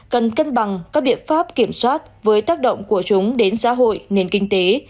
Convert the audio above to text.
cần cân bằng các biện pháp kiểm soát với tác động của chúng đến xã hội nền kinh tế